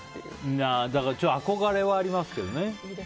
だから、憧れはありますけどね。